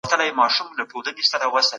هغه څه ولیکئ چې پرې پوهېږئ، نور پریږدئ.